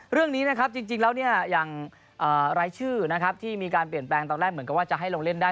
เรื่องนี้นะครับจริงแล้วอย่างรายชื่อที่มีการเปลี่ยนแปลงตอนแรกเหมือนจะให้ลงเล่นได้